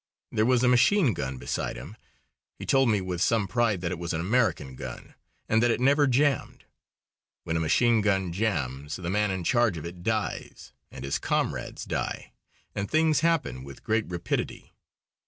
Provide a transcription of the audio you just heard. There was a machine gun beside him. He told me with some pride that it was an American gun, and that it never jammed. When a machine gun jams the man in charge of it dies and his comrades die, and things happen with great rapidity.